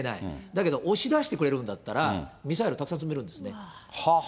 だけど押し出してくれるんだったら、ミサイルたくさん詰めるんですね。